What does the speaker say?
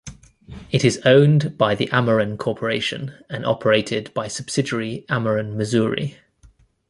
It is owned by the Ameren Corporation and operated by subsidiary Ameren Missouri.